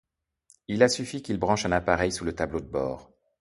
Il a suffi qu'il branche un appareil sous le tableau de bord.